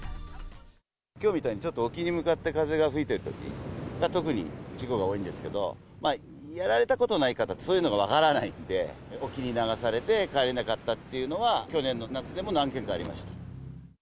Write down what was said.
きょうみたいにちょっと沖に向かって風が吹いてるときが特に事故が多いんですけど、やられたことない方って、そういうのが分からないんで、沖に流されて帰れなかったというのは去年の夏でも何件かありまし